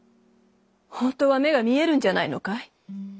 ほんとは目が見えるんじゃないのかい？